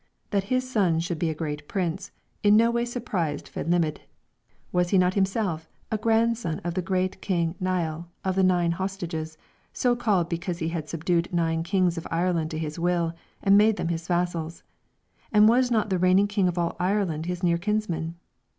That his son should be a great prince in no way surprised Fedhlimidh. Was not he himself a grandson of the great king Niall of the Nine Hostages, so called because he had subdued nine Kings of Ireland to his will and made them his vassals, and was not the reigning king of all Ireland his near kinsman?